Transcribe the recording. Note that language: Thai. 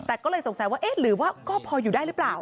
แต่ก็เลยสงสัยว่าเอ๊ะหรือว่าก็พออยู่ได้หรือเปล่า